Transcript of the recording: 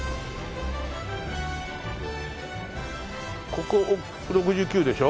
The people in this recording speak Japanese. ここ６９でしょ？